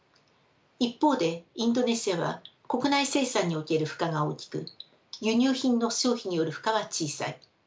一方でインドネシアは国内生産における負荷が大きく輸入品の消費による負荷は小さい。